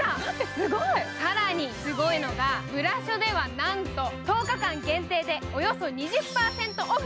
更にすごいのが、ブラショではなんと、１０日間限定でおよそ２０％オフ。